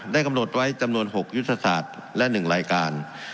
กำหนดไว้จำนวน๖ยุทธศาสตร์และ๑รายการ